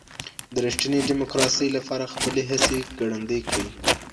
د ريښتيني ډيموکراسۍ لپاره خپلي هڅي ګړندۍ کړئ.